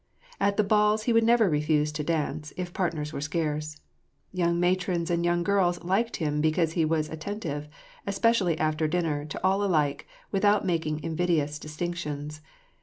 At the balls he would never refuse to dance, if partners were scarce. Young matrons and young girls liked him because he was attentive, especially after dinner, to all alike, without mak ing invidious distinctions.